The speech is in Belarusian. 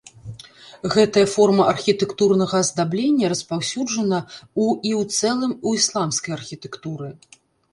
Гэтая форма архітэктурнага аздаблення распаўсюджана ў і ў цэлым у ісламскай архітэктуры.